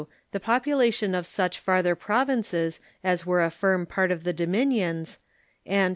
The population of such farther provinces as were a firm part of the dominions ; and, 3.